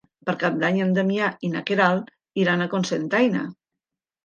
Per Cap d'Any en Damià i na Queralt iran a Cocentaina.